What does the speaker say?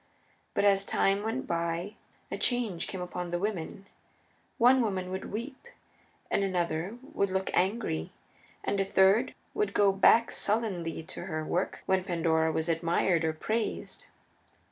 But as time went by a change came upon the women: one woman would weep, and another would look angry, and a third would go back sullenly to her work when Pandora was admired or praised.